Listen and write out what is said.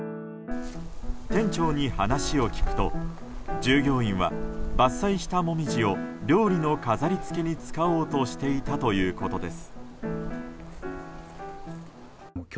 店長に話を聞くと、従業員は伐採したモミジを料理の飾りつけに使おうとしていたということです。